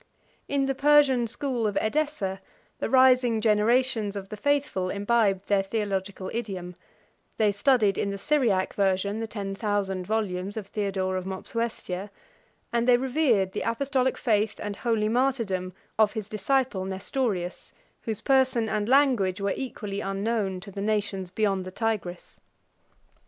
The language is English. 113 In the Persian school of Edessa, 114 the rising generations of the faithful imbibed their theological idiom: they studied in the Syriac version the ten thousand volumes of Theodore of Mopsuestia; and they revered the apostolic faith and holy martyrdom of his disciple Nestorius, whose person and language were equally unknown to the nations beyond the Tigris.